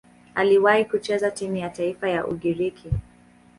Aliwahi kucheza timu ya taifa ya Ugiriki.